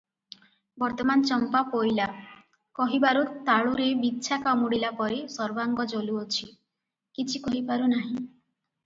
ବର୍ତ୍ତମାନ ଚମ୍ପା ପୋଇଲା' କହିବାରୁ ତାଳୁରେ ବିଛା କାମୁଡ଼ିଲାପରି ସର୍ବାଙ୍ଗ ଜଳୁଅଛି, କିଛି କହିପାରୁ ନାହିଁ ।